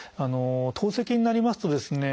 透析になりますとですね